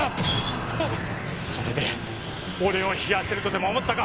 それで俺を冷やせるとでも思ったか？